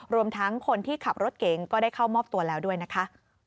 รวมทั้งคนที่ขับรถเก๋งก็ได้เข้ามอบตัวแล้วด้วยนะคะ